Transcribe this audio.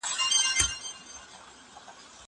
زه سپينکۍ مينځلي دي.